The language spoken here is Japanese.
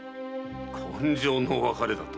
今生の別れだと？